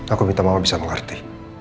aku minta mama bisa mengerti